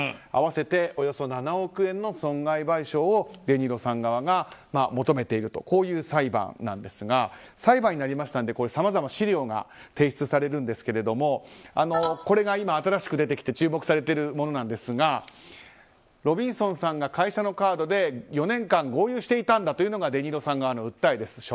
合わせて７億円の損害賠償をデ・ニーロさん側が求めているという裁判なんですが裁判になりましたのでさまざまな資料が提出されるんですけどもこれが今、新しく出てきて注目されているものですがロビンソンさんが会社のカードで４年間豪遊していたというのがデ・ニーロさん側の訴えです。